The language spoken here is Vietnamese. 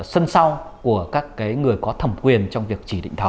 sân sau của các người có thẩm quyền trong việc chỉ định thầu